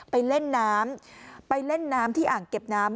ไปเล่นน้ำไปเล่นน้ำที่อ่างเก็บน้ำ